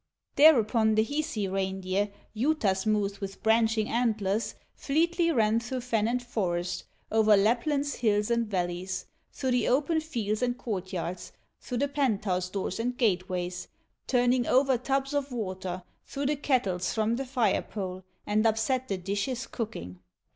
Thereupon the Hisi reindeer, Juutas moose with branching antlers, Fleetly ran through fen and forest, Over Lapland's hills and valleys, Through the open fields and court yards, Through the penthouse doors and gate ways, Turning over tubs of water, Threw the kettles from the fire pole, And upset the dishes cooking.